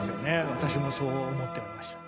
私もそう思っておりました。